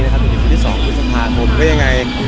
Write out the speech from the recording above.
อีกวีดีสี่สองวิทยาภาคมว่าอย่างไร